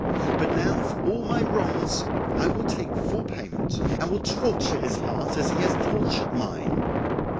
But now for all my wrongs I will take full payment, and will torture his heart as he hath tortured mine.